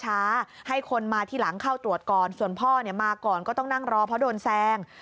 ให้คนมาที่หลังเข้าตรวจก่อนส่วนพ่อมาก่อนก็ต้องนั่งรอเพราะโดนแซง